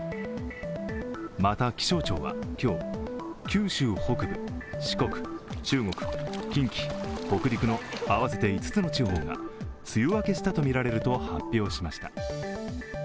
また、気象庁は今日、九州北部、四国中国、近畿、北陸の合わせて５つの地方が梅雨明けしたとみられると発表しました。